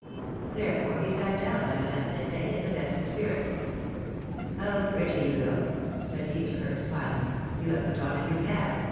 Therefore he sat down by Madame Cr^pin in the best of spirits. How pretty you look! " said he to her, smiling; ^^you have put on a new cap.